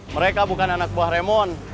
mereka bukan anak buah remon